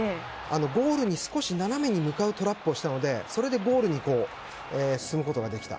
ゴールに少し斜めに向かうトラップをしたのでそれでゴールに進むことができた。